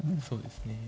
そうですね。